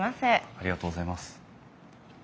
ありがとうございます。